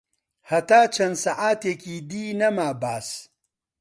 هەتا چەن ساعەتێکی دی نەما باس